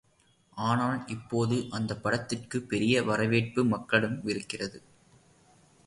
ஆனால் இப்போது அந்தப் படத்திற்குப் பெரிய வரவேற்பு மக்களிடமிருக்கிறது.